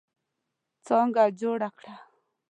څانګه جوړه کړه.